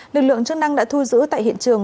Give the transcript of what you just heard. lực lượng chức năng đã thu giữ tại hiện trường